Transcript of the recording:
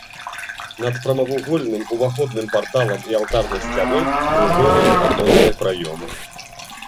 Над прамавугольным уваходным парталам і алтарнай сцяной крыжовыя аконныя праёмы.